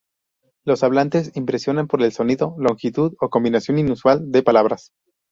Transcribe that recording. Los hablantes impresionan por el sonido, longitud o combinación inusual de palabras.